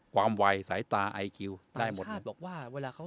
ความวัยสายตาไอเกิ้ลได้หมดอาชาชร์บอกว่าเวลาเขา